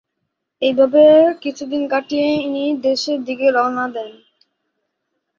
এইভাবে কিছুদিন কাটিয়ে ইনি দেশের দিকে রওনা দেন।